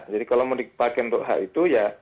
jadi kalau mau dipakai untuk hak itu